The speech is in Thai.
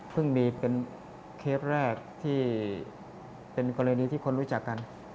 มีเป็นเคสแรกที่เป็นกรณีที่คนรู้จักกัน